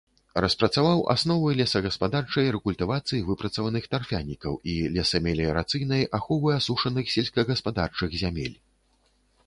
Распрацаваў асновы лесагаспадарчай рэкультывацыі выпрацаваных тарфянікаў і лесамеліярацыйнай аховы асушаных сельскагаспадарчых зямель.